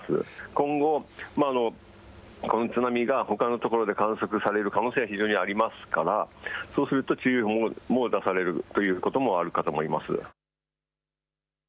今後この津波がほかのところで観測される可能性は非常にありますから、そうすると注意報も出されるということもあるかと思います。